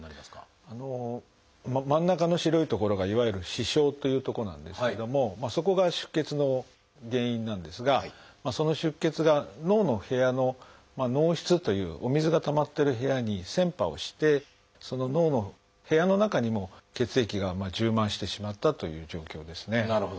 真ん中の白い所がいわゆる「視床」という所なんですけどもそこが出血の原因なんですがその出血が脳の部屋の「脳室」というお水がたまってる部屋に穿破をしてその脳の部屋の中にも血液が充満してしまったという状況ですね。